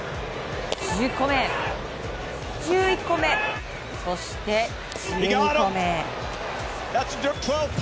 １０個目、１１個目そして１２個目。